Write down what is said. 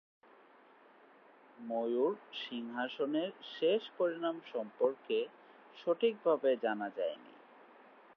ময়ূর সিংহাসনের শেষ পরিণাম সম্পর্কে সঠিকভাবে জানা যায়নি।